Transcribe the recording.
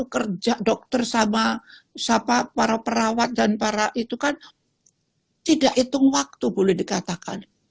kerja dokter sama para perawat dan para itu kan tidak hitung waktu boleh dikatakan